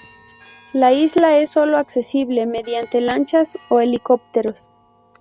La isla es sólo accesible mediante lanchas o helicópteros.